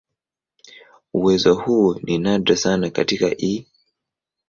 Uwezo huu ni nadra sana katika "E.